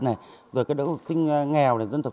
rồi các đối tượng học sinh nghèo dân tộc